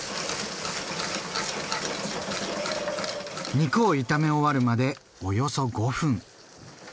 肉を炒め終わるまでおよそ５分。